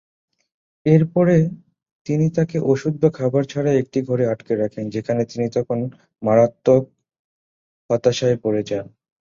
এর পরে, তিনি তাকে ওষুধ বা খাবার ছাড়াই একটি ঘরে আটকে রাখেন, যেখানে তিনি তখন মারাত্মক হতাশায় পড়ে যান।